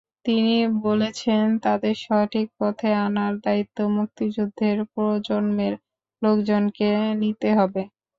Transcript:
তিনি বলেছেন, তাদের সঠিক পথে আনার দায়িত্ব মুক্তিযুদ্ধের প্রজন্মের লোকজনকে নিতে হবে।